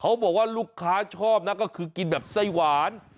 เขาบอกว่าลูกค้าชอบนะก็คือกินแบบไส้หวาน